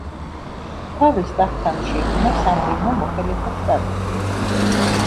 მთავრის ტახტთან შექმნა სამდივნო მოხელეთა შტატით.